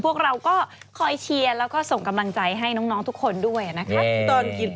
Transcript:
พวกเราก็คอยเชียร์แล้วก็ส่งกำลังใจให้น้องทุกคนด้วยนะคะ